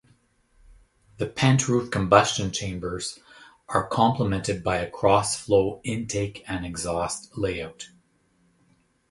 The pent-roof combustion chambers are complemented by a cross-flow intake and exhaust layout.